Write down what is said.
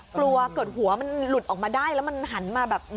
กลัวเกิดหัวมันหลุดออกมาได้แล้วมันหันมาแบบ